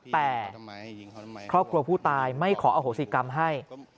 แต่ครอบครัวผู้ตายไม่ขออโหสิกรรมให้